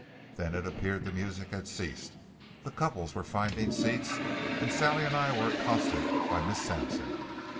Then it appeared the music had ceased, the couples were finding seats, and Sally and I were accosted by Miss Sampson.